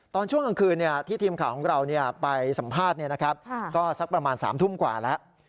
ตอนช่วงกลางคืนที่ทีมข่าวของเราไปสัมภาษณ์ก็สักประมาณ๓ทุ่มกว่าแล้ว